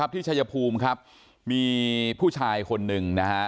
ที่ชายภูมิครับมีผู้ชายคนหนึ่งนะฮะ